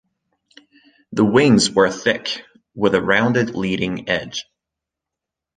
The wings were thick, with a rounded leading edge.